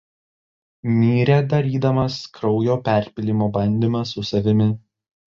Mirė darydamas kraujo perpylimo bandymą su savimi.